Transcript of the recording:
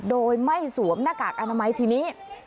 โดยไม่สวมหน้ากากอนามัยทีนี้